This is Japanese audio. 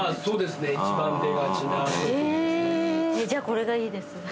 じゃあこれがいいです。